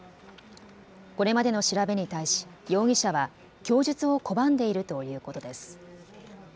これまでの調べに対し容疑者は供述を拒んでいるということです。